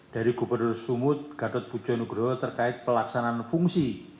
dari gubernur sumut gatot pujo nugroho terkait pelaksanaan fungsi